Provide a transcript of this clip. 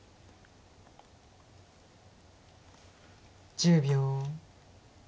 １０秒。